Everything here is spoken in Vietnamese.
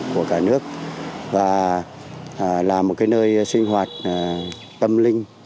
của cả nước và là một nơi sinh hoạt tâm linh